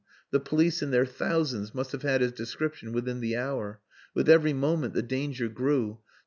The police in their thousands must have had his description within the hour. With every moment the danger grew.